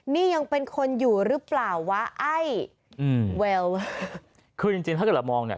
นี่ยังเป็นคนอยู่หรือเปล่าวะไอ้อืมแววคือจริงจริงถ้าเกิดเรามองเนี่ย